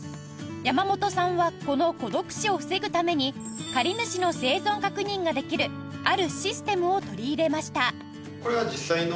山本さんはこの孤独死を防ぐために借主の生存確認ができるあるシステムを取り入れました